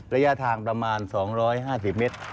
ระยะทางประมาณ๒๕๐เมตร